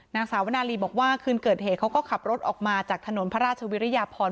นางสาวนาลีบอกว่าคืนเกิดเหตุเขาก็ขับรถออกมาจากถนนพระราชวิริยาพร